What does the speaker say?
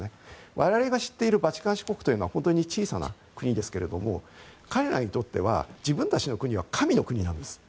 我々が知っているバチカン市国というのは本当に小さな国ですが彼らにとっては自分たちの国は神の国なんです。